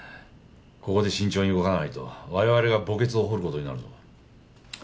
ここで慎重に動かないと我々が墓穴を掘ることになるぞ。